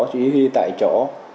chỉ huy tại chỗ